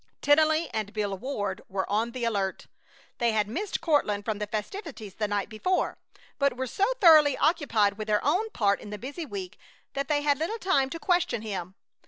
Tennelly and Bill Ward were on the alert. They had missed Courtland from the festivities the night before, but were so thoroughly occupied with their own part in the busy week that they had little time to question him.